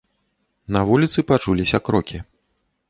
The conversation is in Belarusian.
На вуліцы пачуліся крокі.